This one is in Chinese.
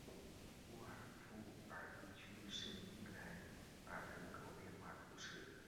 沃埃夫尔地区圣伊莱尔人口变化图示